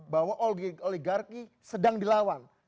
bahwa oligarki sedang dilawan